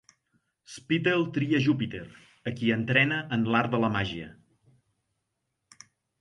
Spittle tria Júpiter, a qui entrena en l'art de la màgia.